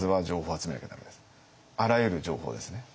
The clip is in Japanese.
あらゆる情報ですね。